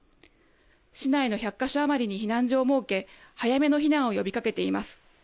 市内の１００か所余りに避難所を設け、早めの避難を呼びかけています。